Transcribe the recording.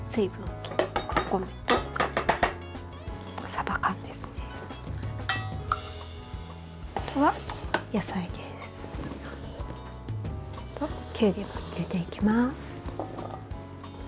きゅうりも入れていきます。